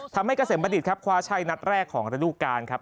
เกษมบัณฑิตครับคว้าใช่นัดแรกของระดูการครับ